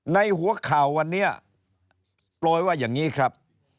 ในหัวข่าววันนี้โปรยว่าอย่างนี้ครับ